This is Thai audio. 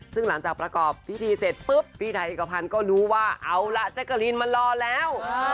ซึ่งหลังจากประกอบพิธีเสร็จปุ๊บพี่ไทยเอกพันธ์ก็รู้ว่าเอาล่ะแจ๊กกะลีนมารอแล้ว